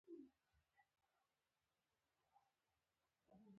امیر شېرعلي خان ورباندې بریالی شو.